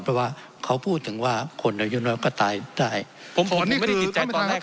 เพราะว่าเขาพูดถึงว่าคนอายุน้อยก็ตายได้ผมผมไม่ได้ติดใจตอนแรก